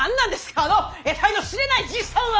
あのえたいの知れないじいさんは？